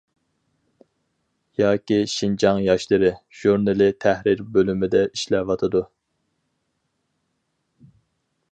ياكى، . «شىنجاڭ ياشلىرى» ژۇرنىلى تەھرىر بۆلۈمىدە ئىشلەۋاتىدۇ.